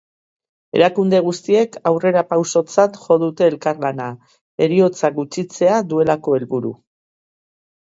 Erakunde guztiek aurrepausotzat jo dute elkarlana, heriotzak gutxitzea duelako helburu.